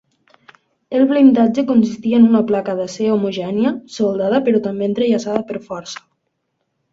El blindatge consistia en una placa d'acer homogènia, soldada però també entrellaçada per força.